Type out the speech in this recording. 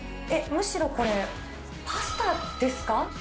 むしろこれ、パスタですか？